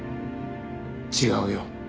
違うよ。